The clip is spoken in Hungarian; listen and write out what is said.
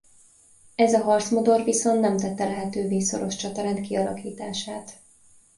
Ez a harcmodor viszont nem tette lehetővé szoros csatarend kialakítását.